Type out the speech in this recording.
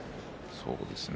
そうですね